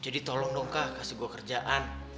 jadi tolong dong kak kasih gue kerjaan